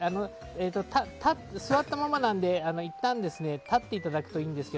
座ったままなので、いったん立っていただくといいです。